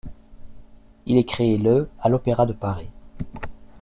Il est créé le à l'Opéra de Paris.